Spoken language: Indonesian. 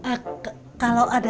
nah orang orang dijual seharian lah